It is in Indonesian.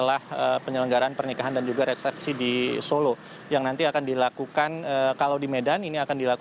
apa pertanyaan anda